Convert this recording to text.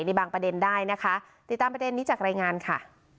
ในบางประเด็นได้นะคะติดตามประเด็นนี้จากรายงานค่ะ